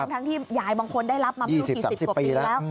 ทั้งที่ยายบางคนได้รับมา๒๐๓๐กว่าปีแล้ว